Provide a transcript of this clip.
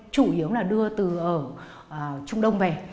chủ yếu là đưa từ ở trung đông về